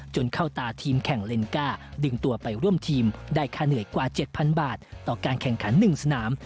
เข้าตาทีมแข่งเลนก้าดึงตัวไปร่วมทีมได้ค่าเหนื่อยกว่า๗๐๐บาทต่อการแข่งขัน๑สนาม